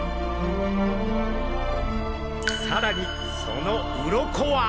さらにその鱗は。